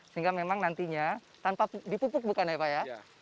sehingga memang nantinya tanpa dipupuk bukan ya pak ya